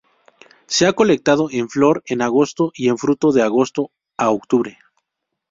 Se ha colectado en flor en agosto y en fruto de agosto a octubre.